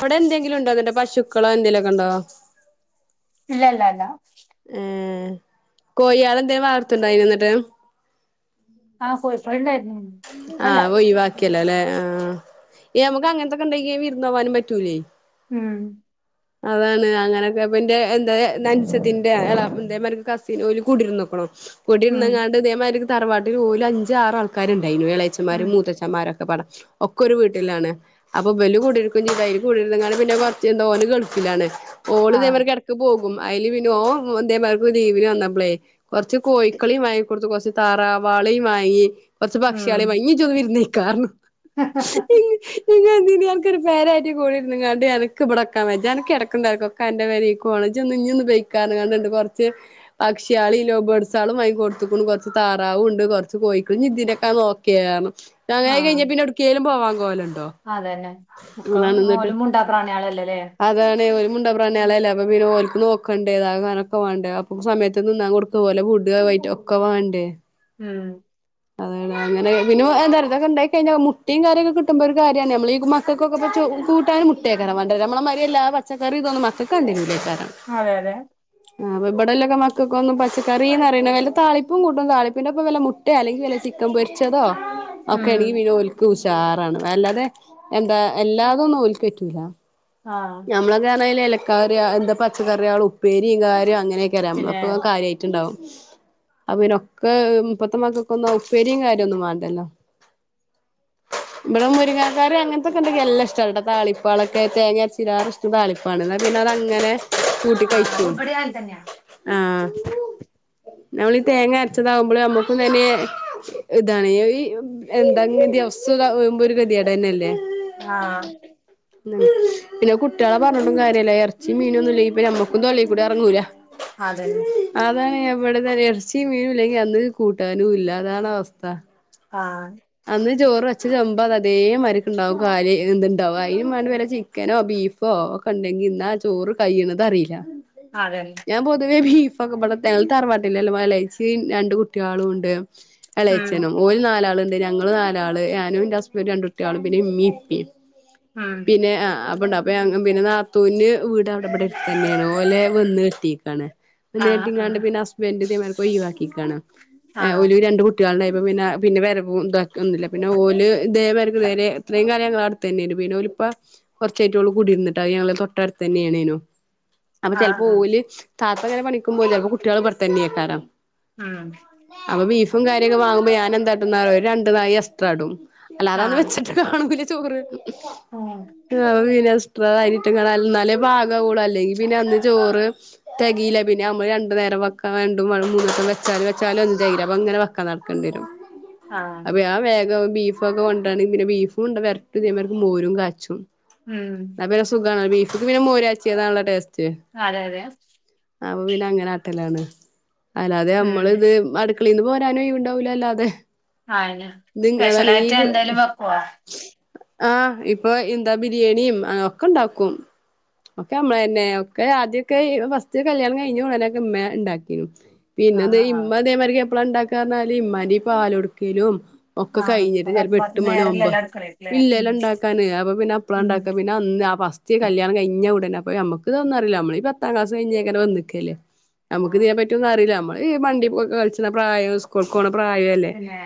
അവ്ടെ എന്തെങ്കിലുണ്ടോ പശുക്കൊളോ എന്തെലോകൊണ്ടോ? ഇല്ലാ ല്ലാലാ ഏഹ് കോഴേളെ എന്തേ വളർത്ത്ണ്ടായിന്യോ ഇന്നട്ട് ആഹ് കോഴി [unintelligible] ആഹ് ഒഴിവാക്കിയല്ലോലെ ഏഹ് മ്മക്ക് അങ്ങന് ത്തൊക്കെ ഇണ്ടങ്കി വിരുന്ന് പോവാനും പറ്റൂലേ ഹ് മ് മ്മ്ഹ് അതാണ് അങ്ങനൊക്കെ അപ്പ ഇന്റെ അൻ സത്തിന്റെ എളാ ഇദേമാതിരി കസിന് ഓല് കുടിരിന്നുക്കുണു കുടിരുന്ന് ഉം ങ്ങാണ്ട് ഇതേമാതി തറവാട്ടിൽ ഓല് അഞ്ച് ആറ് ആൾക്കാര്ണ്ടേയിനു ഉം എളേച്ചമാരും മൂത്തച്ചെമാരും കു ന്മാരൊക്കെ പാടെ ഒക്കെ ഒരു വീട്ടിലാണ് അപ്പൊ ഇബലു കൂടിയിരിക്കും ചെയ്ത് അതി കുടിയിരുന്നുങ്ങാണ്ട് പിന്നെ കുറച്ച് എന്തോ ഓന് ഗൾഫിലാണ് ഓള് ആ ഇതേ മാതിരിക്ക് എട്ക്ക് പോവും അയില് പിന്നെ ഓന് ഇതേ മാതിരിക്ക് ലീവിന് വന്നപ്പളേ കൊർച്ച് കോഴിക്കളിം വാങ്ങി കൊട്ത്തു കൊറ്ച്ച് താറാവാളെം വാങ്ങി കൊറ്ച്ച് പക്ഷേളേം വാങ്ങി. ഇന്നി ഇഞ്ചാെന്ന് വിര്ന്ന് ക്കാർന്ന് ഹ ഹ ഹാ പിന്നെ എന്തിന് അൻക്കൊരു പെര ആയിട്ട് കുടിര്ന്നാണ്ട് എനക്ക് ഇവ്‌ടെ നിക്കാൻ വെജാ എനക്ക് എടക്കും തെൽക്കും അന്റെ പൊരീക്ക് പോണം ഇജ് ഇന്നി ഒന്ന് പൊയിക്കാർഞ്ഞിക്കാണ്ടിണ്ട് കൊറച്ച് പക്ഷേളും ലൗബേഡ്സളും വാങ്ങി ക്കൊട്ത്തുകുണു കൊർച് താറാവുണ്ട് കൊറ്ച്ച് കോഴിക്കളും ഇനി തി നെക്കേയ്ഞ്ഞു ആ ഇതായികഴിഞ്ഞാ പിന്നെ എട്ക്കേലും പോവാൻ കോലൊണ്ടോ അതന്നെ പുക്കം ഓലും മുണ്ടാ പ്രാണികളല്ലേല്ലേ അതാണ് ഒരു മുണ്ടാ പ്രണിലല്ലേ അപ്പൊ പിന്നെ ഓൽക്ക് നോക്കണ്ടേ താങ്ങാനൊക്കെ വേണ്ടേ അപ്പ സമയത്ത് തിന്നാ കൊടുക്ക ഓല വിടിയോ ആയിട്ടോ ക്കെ വേണ്ടേ മ് അതേടാ അങ്ങനെ പി പിന്നെ എന്താർ ഇതൊക്കെ ഉണ്ടായിക്കഴിഞ്ഞ മുട്ടയും കാര്യൊക്കെ കിട്ടുമ്പോ ഒരു കാര്യന്നെയാ നമ്മളീ മക്കക്കൊക്കെ പ്പൊ ചോ കൂട്ടാനും മു കിട്ടേക്കാരവാണ്ടര് നമ്മളെ മാരിയല്ല പച്ചക്കറി ഇതൊന്നും മക്കക്ക് വേണ്ടിവരില്ലേക്കാരം അതെ അതെ ആ ഇബ് ഇബ്ടല്ലെക്കെ മക്കക്കൊന്നും പച്ചക്കറീന്ന് പറയ്ന്നാത് വല്ല താളിപ്പും കൂട്ടും താളിപ്പിന്റൊപ്പ വല്ല മു ട്ട അല്ലെങ്കിൽ വല്ല ചിക്കൻ പൊരിച്ചതോ ഉം ഒക്കൊയാണെങ്കി പിനോൽ ക്കുഷാറാണ് അല്ലാതെ എന്താ എല്ലാതുംന്നും ഓൽക്കു പറ്റൂല ആഹ് നമ്മളക്കെന്നെലെലക്കറിയ എന്താ പച്ചക്കറികള് ഉപ്പേരീം കാര്യോം അങ്ങനെയൊക്കെരാ പിന്നെ നമ്മളപ്പം കാര്യായി റ്റ്ണ്ടാവും അപ്പൊ പിന്നൊക്കെ ഇപ്പത്തെ മക്കക്കൊന്നു ആ ഉപ്പരീം കാര്യം ഒന്നും വേണ്ടല്ലോ ഇവിടെ മുരിങ്ങക്കറി അങ്ങനത്തൊക്കെ ഉണ്ടെങ്കി എല്ലാ ഇഷ്ട ട്ടോ താളിപ്പാളൊക്കെ തേങ്ങരച് തിരാറിക്കിഷ്ടം താളിപ്പാണ് എന്ന പിന്നെ അതങ്ങനെ ആ അത് കൂട്ടിക്കഴിക്കും ഇവിടെ അങ്ങനെ തന്നെയാ ആഹ് നമ്മളീ തേങ്ങ അരച്ചതാവുമ്പൊള് അമ്മുക്കും തന്നെ ഇതാണ് ഈ ഈ എന്തങ്കി അവസ് സുക വമ്പോ ഒരു ഗതികേട്ന്നല്ലേ ആഹ് മ് പിന്നെ കുട്ടികളെ പറഞ്ഞിട്ടും കാര്യല്ല എറച്ചി മീനൊന്നുല്ലെങ്കിപ്പിന്നെ നമ്മക്കും തൊള്ളി കൂടി എറങ്ങൂല അതെന്നെ അതാണ് ഞാൻ ഇവിട്ത്തന്നെ എറച്ചിയും മീനും ഇല്ലെങ്കിൽ അന്ന് കൂട്ടാനുംല്ല അതാണ് അവസ്ഥ ആഹ് അന്ന് ചോറ്ച്ച ചെമ്പ് അത് അതേ മാര്ക്കുണ്ടാവും കാര്യ ന്തുണ്ടാവും അതിനും മാണ്ടി വല്ല ചി ക്കനോ ബീഫോ ഒക്കെ ഉണ്ടെങ്കി ഇന്നാ ചോറ് കൈയ്ണതറിയില്ല അതന്നെ ഞാൻ പൊതുവെ ബീഫ് ഇപ്പൊക്ക്‌ ഇവിടെ തന്നെ തറവാട്ടില്ലല്ല ഇലേച്ചിയും രണ്ട് കുട്ടികളും ഉണ്ട് ഉം ഇളയച്ഛനും ഓല് നാലാളുണ്ട് ഞങ്ങള് നാലാള് ഞാനും ന്റെ ഹുസ്ബന്റ് രണ്ട് കുട്ടികളും പിന്നെ ഇമ്മീം ഇപ്പീ ഉം പിന്നെ ആ അപ്പൊണ്ട അപ്പ ഞങ് പിന്നെ നാത്തൂന് വീ ഇവിടെടുത്തു തന്നെയാണ് ഓലെ വന്ന് കെട്ടീക്കാണ് വന്ന് ആ ആ കെട്ടിങ്ങാണ്ട് പിന്നെ ഹസ് ബെന്റ് തെ മാർക് ഒഴിവാക്കിക്കാണ് ആ ഓല് രണ്ട് കുട്ടികളുണ്ടായപ്പ പിന്നെ പിന്നെ വേറെ പൊ എന്തുവാ ക്കൊന്നുല്ല പിന്നെ ഓല് ഇദേവർക്ക് ഇതേവരെ ഇത്രയും കാലം ഞങ്ങള് അവ് ട് ത്തതന്നേയ്രു പിന്നെ ഓലിപ്പം കൊർചെയ്ഞ്ഞിട്ടൊള്ളൂ കുടിര്ന്ന്ട്ട് അത് ഞങ്ങളെ തൊട്ടടുത്ത് തന്നെയേണേനു അപ്പൊ ആ ചെലപ്പോ ആ ഓല് താത്തഇങ്ങനെ പണിക്കുമ്പോവും ചെലപ്പൊ കുട്ട്യാള് ഇബട്ത്തന്നെ ഏക്കാരം ആഹ് അപ്പൊ ബീഫും കാര്യൊക്കെ വാങ്ങുമ്പോ ഞാൻ എന്താട്ടുംന്നറിയോ ഒര് രണ്ട് നായി എസ്ട്രാ ഇടും ആ അല്ലാതാന്ന് വെച്ചിട്ട് കാണുമ്പള്ള ചോറ് വെക്കും ആഹ് അപ്പൊ പിന്നെ എക്സ്ട്രാ അരിട്ട്ങ്ങ്ളാ ഇന്നാലേ പാകാവുള്ളു അല്ലെങ്കി പിന്നെ അന്ന് ചോറ് തെകയില്ല പിന്നെ നമ്മള് രണ്ട് നേരം വെക്കാ രണ്ടും വെള്ളം മൂന്നോട്ടം വെച്ചാലും വെച്ചാലും ഒന്നും തെകയില്ല അപ്പൊ അങ്ങനെ വെക്കാ നടക്കണ്ടി വരും ആ ആ അപ്പൊ ഞാൻ വേഗം ബീഫൊക്കെ കൊണ്ട് രാണങ്കിൽ പിന്നെ ബീഫുംണ്ട് വരട്ട് ഇതേമാർക്ക് മോരും കാച്ചും ഉം അപ്പൊ പിന്നെ സുഖാണ് ബീഫ്ക്ക് പിന്നെ മോര് കാച്ചിയതാണല്ലോ ടേസ്റ്റ് അതെ അതെ അപ്പൊ പിന്നെ അങ്ങനെ ആട്ടലാണ് അല്ലാതെ ഉം നമ്മള് ഇത് അട് ക്ലീന്ന് പോരാനും ഒയിവ് ഇണ്ടാവൂലല്ലോ അത് അയിന് സ്പെഷലായിട്ട് എന്തേലും വെക്കോ ആഹ് ഇപ്പൊ എന്താ ബിരിയാണിം ഒക്കെ ഇണ്ടാക്കും ഒക്കെ നമ്മള് തന്നെ ഒക്കെ ആദ്യൊക്കെ ഫസ്റ്റ് കല്യാണം കഴിഞ്ഞ ഉടനൊക്കെ ഉമ്മേ ഇണ്ടാക്കി പിന്നെ എന്താ ആഹ് ആഹ് ഇമ്മ ഇതേമാതിരി എപ്പളാ ഇണ്ടാക്കാ എന്നാല് ഇമ്മാന്റെ ഈ പാല് കൊട്ക്കലും - ഒക്കെ ആഹ് ഇപ്പൊ കഴിഞ്ഞിട്ട് ചെലപ്പോ എട്ട് കത്തുമ്പാത്തിന് മണി ഒമ്പോ നേരല്ലല്ലോ അടുക്കളേക്ക്ല്ലേ ഉം ഇല്ലല്ലോ ഒണ്ടാക്കാന് അപ്പൊ പിന്നെ എപ്പളാ ഉം ഇണ്ടാക്കാ പി പിന്നെ ഒന്ന് ഫസ്റ്റ് കല്ല്യാണം കയിഞ്ഞ ഉടനെ അപ്പ നമ്മക്ക് ഇതൊന്നും അറീല നമ്മളി ഈ പത്താം ക്ലാസ് കഴിഞ്ഞെ അങ്ങനെ വന്ന് നിക്കല്ലേ നമ്മക്ക് ആഹ് ഇതിനെ പറ്റി ഒന്നും അറില്ല നമ്മള് ഈ വണ്ടി പോയി കളിച്ചണ പ്രായോം സ്കൂൾക്കോണ പ്രായോ- പിന്നെ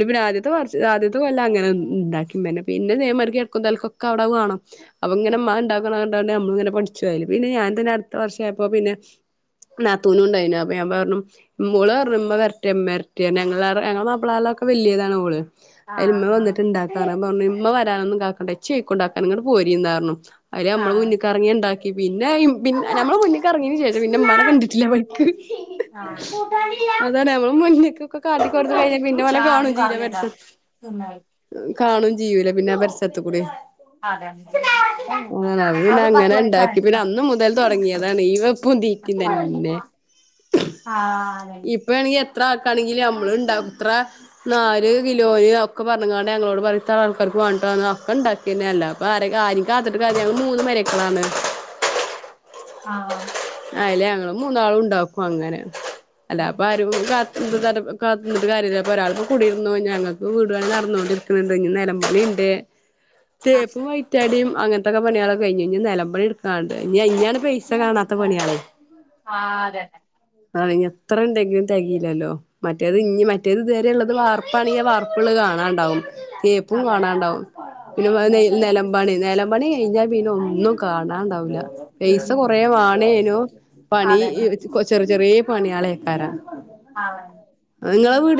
ഉം പിന്നെ ആദ്യ- ആദ്യത്തെ വർ കൊല്ലം അങ്ങനെ ഇണ്ടാക്കി പിന്നെ ഇതേ മാതിരി എടക്കും തലക്കും അവിടെ അത് വാണം അപ്പ ഇങ്ങനെ ഉമ്മ ഇണ്ടാക്കണ കണ്ടാണ് നമ്മള് ഇങ്ങനെ പഠിച്ചു പോയില് പിന്നെ ഞാൻ തന്നെയാ അടുത്ത വർഷയപ്പോ പിന്നെ - നാത്തൂനും ഇണ്ടായിനു അപ്പ ഞാൻ പറഞ്ഞു ഓളർ ഞ്ഞു ഇമ്മ വരട്ടെ ഇമ്മര് വരട്ടേ ഞങ്ങള്- ഇപ്പള് അതിലൊക്കെ വെല്ലിയതാണ് ഓള് അയില് ആഹ് ഇമ്മ ആഹ് വന്നിട്ട് ഇണ്ടാ കാരണം ഞാൻ പറഞ്ഞു ഇമ്മ വരാനൊന്നും കാക്കണ്ട ഇച്ച് വെയ്ക്കും ഇണ്ടാക്കാന് ഇങ്ങട്ട് പോരിണെന്ന് പറഞ്ഞു അയില് നമ്മള് ആഹ് മുന്നിക്കിറങ്ങി ഇണ്ടാ പിന്നേയും പിൻ നമ്മളെ മുന്നിക്ക് എറങ്ങിയതിന് ശേഷം പിന്നെ ഉമമ്മാനെ കണ്ടിട്ടില്ല ആ വഴിക്ക് ആഹ് കൂട്ടാനില്ല അതല്ല നമ്മള് മുന്ന്ക്കൊക്കെ കാട്ടി കൊടുത്ത് കഴിഞ്ഞ പിന്നെ ഓലെ ചാറും കാണും ചെയ്യൂല കറിയുംതാ പരിസരത്ത് തിന്നായി കാണും ചെയ്യൂല പിന്നെ ആ പരിസരത്ത് കൂടി അതന്നെ അത് പിന്നെ അത് പത്ത് അങ്ങനെ മണിക്കാണ് ഇണ്ടാക്കി പിന്നെ ന്നാ അന്ന് മുതൽ തൊ ടങ്ങിയതാണ് ഈ വെപ്പും തീറ്റി ഇത് എന്നെ ആഹ് അത് തന്നെ വേണെങ്ങി എത്ര ആൾക്കാണങ്കിലും ഞമ്മള് ഇണ്ടാവും എത്ര- നാല് കിലോയൊ ഒക്കെ പറഞ്ഞ്ങ്ങാണ്ട് ഞങ്ങളോട് പണിയെടുത്ത ആൾക്കാർക്ക് വണ്ടാന്ന് ഒക്കെ ഇണ്ടാ പിന്നല്ല ഇപ്പൊ ആരെ ആരും കാത്തിട്ട് കാര്യം ഇല്ല ഞങ്ങള് മൂന്ന് മരുമക്കളാണ് ആഹാ അയിലെ ഞങ്ങള് മൂന്നാളു ഉണ്ടാക്കും അങ്ങനെ അല്ലാ ഇപ്പാ ആരും കാത്ത് - ഗു [unintelligible] തർ കാളി പറഞ്ഞിട്ട് കാര്യല്ല ഒരാൾക്ക് കുടിരുന്നു ഞങ്ങൾക്ക് വീട്പണി നടന്നോണ്ടിരിക്ക്ണണ്ട് ഇനി നെലം പണി ഇണ്ട് തേപ്പും ആയി മുറ്റടിം അങ്ങത്തൊക്കെ പണിയാളൊക്കെ കഴിഞ്ഞ്. ഇഞ്ഞി നെലം പണി ഇട്ക്കാണ്ട് ഇഞ്ഞി ഇഞ്ഞാണ് പൈസ കാണാത്ത പണികള് ഉ [unintelligible] ആഹ് അതെ ആ ഇനി എത്ര ഇണ്ടെങ്കിലും തെകയിലല്ലോ മറ്റേത് ഉം ഇഞ്ഞി മ മറ്റേത് ഇത് വരെയുള്ളത് വാർപ്പാണെങ്കി വാർപ്പ് ഉള്ളത് കാണാണ്ടാവും. തേപ്പും അതന്നെ കാണാണ്ടാവും പിന്നെ നെലമ്പണി നെലമ്പണി കയിഞ്ഞാ പിന്നെ ഒന്നും കാണാണ്ടാവുല പൈസ കൊറേ വേണേനു പണി അതന്നെ ചെറി ചെറിയെ പണിളേകാരം ആഹ് അത് ഇങ്ങളെ വീ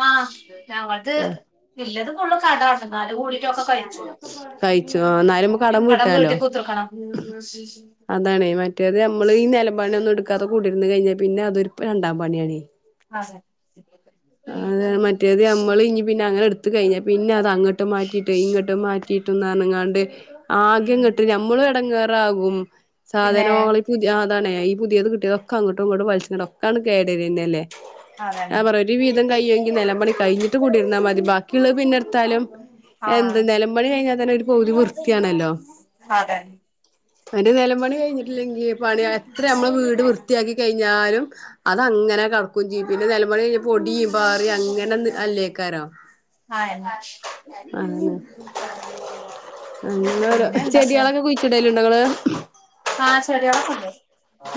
ആഹ് ഞങ്ങള്ത് ആ ഇള്ളത് മുഴുവൻ കടം ആണ് എന്നാലും കൂടി- ക്കെ കഴിച്ചോളു കഴിച്ചു ആ എന്നാലും നമുക്ക് കടം വീട്ടി തീർക്കണം അതാണ് മറ്റേത് നമ്മള് ഈ നെലംപണി ഒന്നും എടുക്കാതെ കൂടിരുന്ന് കഴിഞ്ഞാൽ പിന്നെ അതൊരു രണ്ടാം പണിയാണ് ആതെ അതെ മറ്റേത് നമ്മള് ഇനി പിന്നെ അങ്ങനെ എടുത്ത് കഴിഞ്ഞാ പിന്നെ അത് അങ്ങോട്ട് മാറ്റിട്ട് ഇങ്ങോട്ട് മാറ്റി- കീട്ടും ന്ന് പർഞ്ങ്ങാണ്ട് ആകെ ഉം ങ്ങട്ട് ഞമ്മളും എട്ങ്ങെറാകും പിന്നെ സാധനോ പുതി ആ അതാണെ ഈ പുതിയെത് കിട്ടിയതൊക്ക അങ്ങട്ടും ഇങ്ങട്ടും വൽച്ച്ക്കാണ്ട് ഒക്കാണ്ട് കേടരന്നല്ലേ ഞാൻ അതന്നെ പറയെ ഒരു വിതം കയ്യങ്കി നെലം പണി കഴിഞ്ഞിട്ട് കൂടിര്ന്നാ മതി ബാക്കിള്ള പിന്നെ ഇട്ത്താലും എന്ദ് ആഹ് നേലം മ്പണി കഴിഞ്ഞാ തന്നെ ഒരു പവ്തി വൃത്തിയാണല്ലോ അതെ ന്നട്ട് നേലം പണി കഴിഞ്ഞിട്ടില്ലെങ്കി പണി എത്ര നമ്മള് വീട് വൃ ത്തിയാക്കി കഴിഞ്ഞാലും അത് അങ്ങനെ കട്ക്കും ചെയ്യും പിന്നെ നേലം പണി കഴി പൊടി പാറി അങ്ങനെ ന്ന് അല്ലേക്കാരോ ആ [unintelligible] അങ്ങര ചെടിയാളൊക്കെ കുഴിച്ചിടല്ണ്ടോ ഇങ്ങള് ആ ചെടിയോളക്ക ഇണ്ട്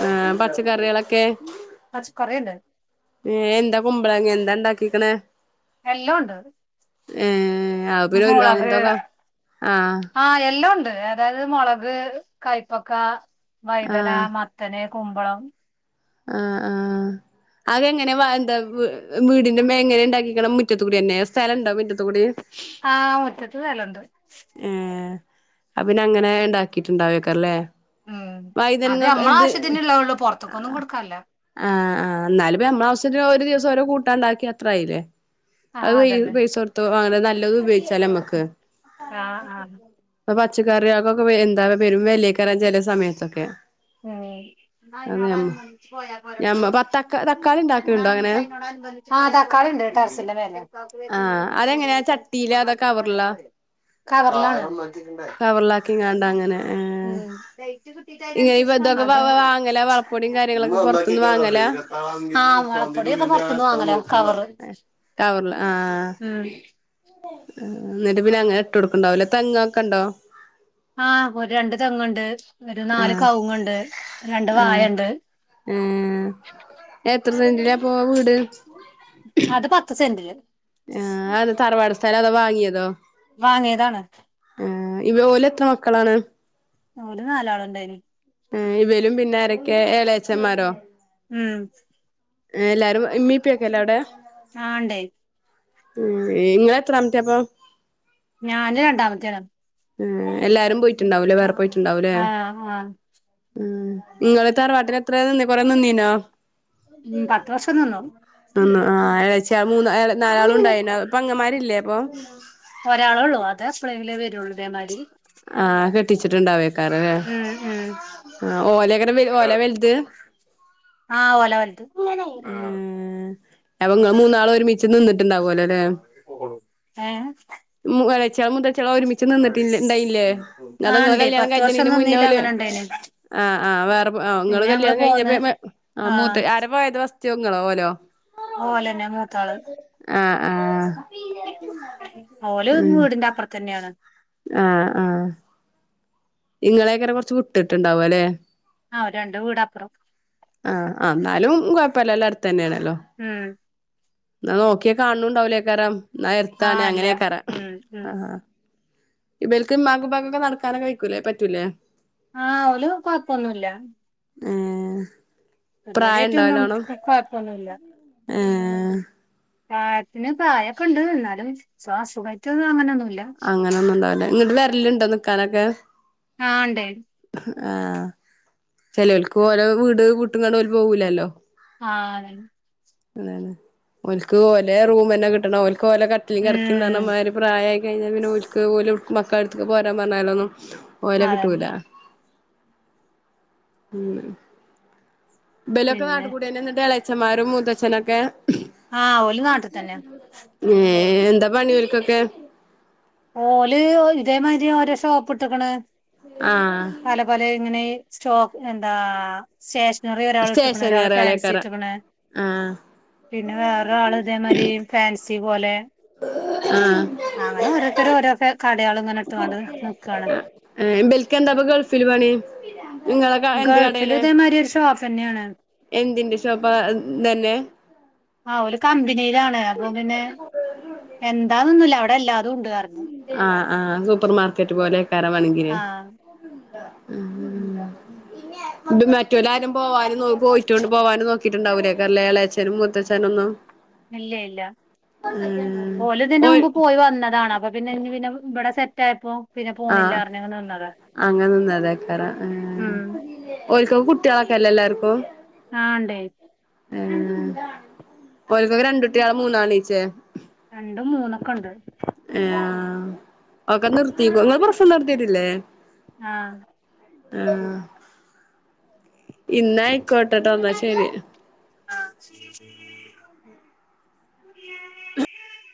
ആഹ് പച്ചക്കറികളൊക്കെ അ കൊറേ ഇണ്ട് ഏ എന്താ കുമ്പളങ്ങെ എന്താ ഇണ്ടാക്കിക്ക്ണെ എല്ലു ഉണ്ട് ഏ അത് പിന്നെ ഒരു അങ്ങൻതൊക്ക ആഹ് ആ എല്ലു ഉണ്ട് അതായത് മോളക് കൈപ്പക്ക വൈതന ആഹ് മ തന്നെ കുമ്പളം ആഹ് ആഹ് അത് എങ്ങനെ എന്താ വീടിന്റെ മെ എങ്ങനെ ഇണ്ടാക്കിക്ക്ണ മുറ്റത്തുകൂടിയന്നെ സ്ഥലണ്ടോ മുറ്റത്തുകൂടി [inaudible] ആ മുറ്റത്ത് സ്ഥലണ്ട് ഏഹ് അപ്പ പിന്നെ അങ്ങനെ ഇണ്ടാക്കിട്ട്ണ്ടാവോയ്‌ക്കാര ല്ലേ ഉം അത് വൈതൻങ്ങക്ക നമ്മളെ എന്ത് ആവശ്യത്തിനുള്ളള്ളൂ ആ പുറത്തേക്കൊന്നും കൊടുക്കാല്ല ആഹ് ആഹ് ന്നാല് പ്പ നമ്മള ആവ്സ്യത്തിന് ഒരു ദിവസം ഓരോ കൂട്ടാണ്ടാക്കി അത്രായിലെ അത് ആഹ് പൈ അതന്നെ പൈസ കൊട്ത്തു അങ്ങനെ നല്ലത് ഉപയോഗിച്ചാലോ നമ്മക്ക് ആ ഹാ ഇപ്പ പച്ചക്കറിയെൾക്കൊക്കെ എന്താ പെരും വെലെക്കാരം ചെല സമയത്തൊക്കെ ഉം ന്നാ അത് അയിനോട് ഞമ്മ അനുബന്ധിച്ച് പോയാ പോരെ ഇപ്പൊ ഞമ്മ പ തക്ക തക്കാളി ഇണ്ടാക്കലുണ്ടോ അങ്ങനെ ആ തക്കാളി ഇണ്ട് ട്ടർസിന്റെ മേലെ അതെങ്ങനെ ചട്ടീലോ അതൊ കവർലോ കവർലാണ് കവറിലാക്കിങ്ങാണ്ട് അങ്ങനെ ഏഹ് ഉം ഇങ്ങനെ ഇതൊക്കെ അതെ ആ വാങ്ങലാ വളപ്പൊടിയും കാര്യങ്ങളൊക്കെ പൊറത്ത്ന്ന് വള പോടി വാങ്ങലാ ഒക്ക പൊർത്ത്ന്ന് വാങ്ങല കവറ് കവർല് ആഹ് ഉം ന്നട്ട് പിന്നെ അങ്ങനെ ഇട്ട് കൊട്ക്ക്ണ്ടാവൂലേ തേങ്ങോക്ക ഇണ്ടോ ആഹ് ഒരു രണ്ട് തെങ്ണ്ട് ഒരു നാല് ആഹ് കവ്ങ്ണ്ട് രണ്ട് വായ ആഹ് ഇണ്ട് ഏഹ് എത്ര സെന്റിലാ പ്പൊ വീട് അത് പത്ത് സെന്റില് ആ അത് തറവാട് സ്ഥലോ അതോ വാങ്ങിയതോ വാങ്ങിയതാണ് ആഹ് ഇവ ഓലെത്ര മക്കളാണ് ഓല് നാലാള്ണ്ടയ്‌നി ഏ ഇവലും പിന്നെ ആരെക്കെ എലയച്ചന്മാരോ ഉം എല്ലാരും ഇമ്മി ഇപ്പി ഒക്ക ല്ലേ അവ്ടെ ആ ഇണ്ട് ഉം ഇങ്ങൾ എത്രമത്തേഅപ്പൊ ഞാന് രണ്ടാമത്തേണ് ഉം എല്ലാരും പോയിട്ടുണ്ടാവൂലേ വേറെ പോയിട്ടുണ്ടാവൂലേ ആ ആ ആഹ് ഇങ്ങൾ തറവാട്ടിൽ എത്ര നിന്നെ കൊറേ നിന്നീനോ ഉം പത്ത് വർഷം നിന്നു ഇളച്ചി മൂന്ന നാലാള ഉണ്ടായിന അപ്പ പങ്ങമാരില്ലേ പ്പൊ ഒരാളെ ഉള്ളൂ അതെ എപ്പളെലും വരുള്ള ഇതേ മാതിരി ആഹ കെട്ടിച്ചിട്ട് ഇണ്ടാവേക്കാര ലെ ഉം ഉം ആഹ് ഓലെകാരം ഓല വലുത് ആഹ് ഓല വലുത് ആഹ് അപ്പ ങ്ങൾ മൂന്നാള് ഒരുമിച്ച് നിന്നിട്ടുണ്ടാവല്ലോ ലെ. ഏ ഇളച്ചിൾ മുത്തച്ചിയാള് ഒരുമിച്ച് നിന്നിട്ട ഇണ്ടായില്ലേ അതോ ആ നിങ്ങളെ ഇണ്ടേ കല്യാണം പത്ത് വർഷം കജ്ജ്ണെന്റെ നിന്നീല മുന്നോല് അങ്ങനെ ഇണ്ടേന് ആഹ് ആഹ് വെറെ പിന്നെ ഇങ്ങള് ഞങ്ങള് കല്യാണം പോന്ന് കഴിഞ്ഞപ്പോ ആ മൂത്ത ആര പോയത് ഫസ്റ്റ് നീ ങ്ങളോ ഓലോ ഓലെനെ മൂതാള് ആഹ് ആഹ് ഉം ന്റെ അപ്പുറതന്നെയാണ് ആഹ ആഹ ഇങ്ങളെക്കര കുറച്ച വിട്ടിട്ടുണ്ടാവും ല്ലെ ആഹ രണ്ട് വീട് അപ്പുറം ആഹ ന്നാലും കുഴപ്പില്ല അടത്തന്നെയാണല്ലോ ഉം ന്നാ നോക്കിയ കാണണണ്ടാവലേക്കാരം നാ ആ എരത്താണ് അല്ല അങ്ങനെയൊക്കരം ഉം ഉം ആഹ് ഇവൽക് ഇമ്മക്കും ഉപ്പക്കും നടക്കാനോ വെഴിക്കൂലേ പറ്റൂലേ ആഹ ഓൽ കൊഴപ്പൊന്നുല്ല ഏഹ് പ്രായണ്ടോ ഇതുവരായിട്ടൊന്നും നല്ലോണം കൊയപ്പം ന്നുല്ല ഏഹ് പ്രായത്തിന് പ്രായൊക്കെ ഉണ്ട് എന്നാലും ശ്വാസുഖയിട്ട് അങ്ങനെന്നും അങ്ങനെന്നുംണ്ടാവില്ലെ ഇങ്ങോട്ട് വരലുണ്ടോ നിക്കാനൊക്കെ ആഹ് ഇണ്ട് ആഹ് ചേലോൽക്ക് ഓല വീട് വീട്ട് ങ്ങാണ്ട് ഓല് പോവുല്ലല്ലോ ആഹ് അതന്നെ ഓല്ക് ഒലേ റൂം തന്നെ കിട്ടണം ക് കട്ടിലും ഉം കടക്കിന്നമാരി പ്രായമായി കഴിഞ്ഞാൽ പിന്നെ ഓൽക്ക് മക്കളടുത്തേക്ക് പോരാൻ പറഞ്ഞാലൊന്നും ഓല അതന്നെ കിട്ടൂല ഉം ബലൊക്കെ പിന്നെ നാട്ടുകൂടിയന്നെ എന്നിട്ട് ഇളയച്ചന്മാരും മൂത്തച്ഛനൊക്കെ ആഹ ഓൽ നാട്ടിൽ തന്നെ ഏഹ് എന്താ പണിഓല് ക്കൊക്കെ ഓല് ഇതേമാതിരി ഓരോ ഷോപ്പ്ട്ടക്കണ് ആഹ് പല പല ഇങ്ങനെ സ്റ്റോക്ക് എന്താ... നറി ഒരാൾ ഇട്ടക്കണ ഒരാള് ഫാൻസി സ്റ്റേഷനേറിയാളേക്കാരം ഇട്ടക്കണ ആഹ് പിന്നെ വേറൊരാള് ഇതേമാരി ഫാൻസി പോലെ ആഹ് അങ്ങനെ ഓര ത്തരം ഓരോരുത്തർ കടയാളങ്ങനെ ഇട്ടക്കാണ്ട് നിക്കാണ് ഏഹ് ഇബൽക്ക് എന്താപ്പൊ ഗൾഫില് പണി ഇങ്ങളെ ക എന്ത് ഗൾഫിലു കടേണ് ഇതേമാതിരി ഒരു ഷോപ്പന്നെയാണ് എന്തിന്റെ ഷോപ്പാ? ഇതന്നെ? ആഹ് ഓല് കമ്പനിയിലാണ് അപ്പൊ പിന്നെ എന്താന്നൊന്നുല്ല അവിടെ എല്ലാതും ഉണ്ട് ർഞ്ഞു ആഹ് ആഹ് സൂപ്പർ മാർക്കറ്റ് പോലെയാക്കാരം വേണെങ്കില് ആഹ് ഉം ഉം ഉം ഇതും മറ്റൊലാരും പോവാന് നോ പോയിറ്റുണ്ട് പോവാണ്ടും നോക്കിയിട്ടുണ്ടാവെക്കാരംലെ എളെയച്ഛനും മൂത്തച്ഛനൊന്നും ഇല്ല ഇല്ല ഏഹ് ഓല് ഇതിന്റെ ഓൽ മുമ്പ് പോയി വന്നതാണ് അപ്പൊ പിന്നെ ഞ്ഞി പിന്നെ ഇബ് വിടെ സെറ്റായപ്പോ ആഹ് അങ്ങനെ നിന്നതെയ്ക്കാരം ഏഹ് ഉം ഓൽക്കൊക്കെ കുട്ട്യാളൊക്കെല്ലെ എല്ലാർക്കും ആഹ് ഇണ്ട് ഉം ഉം ഓൽക്കൊക്കെ രണ്ട്ട്ട്യാളോ മൂന്നാളീച്ചേ രണ്ടും മൂന്നൊക്കെണ്ട് ഏഹ് ആഹ് ഒക്കെ നിർത്തീക്കൊ നിങ്ങൾ പ്രസവം നിർത്തിട്ടില്ലേ ആഹ് ആഹ് ഇന്ന ആയിക്കോട്ടട്ടോ ന്നാ ശരി ആഹ്